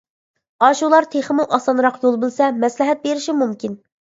ئاشۇلار تېخىمۇ ئاسانراق يول بىلسە، مەسلىھەت بېرىشى مۇمكىن.